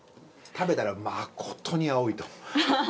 食べたら「まことに青い」と。